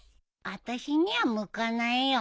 あたしには向かないよ。